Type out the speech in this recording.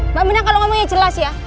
mbak mina kalau ngomongnya jelas ya